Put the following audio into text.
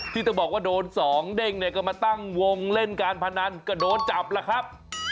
ที่ต้องบอกว่าโดน๒เด้งก็มาตั้งวงเล่นการพนันก็โดนจับแหละครับ